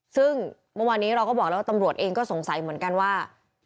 ซึ่งเมื่อวานนี้เราก็บอกแล้วว่าตำรวจเองก็สงสัยเหมือนกันว่า